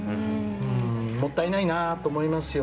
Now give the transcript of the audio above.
もったいないなと思いますよ。